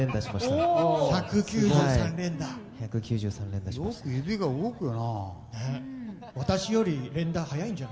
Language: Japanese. よく指が動くよな。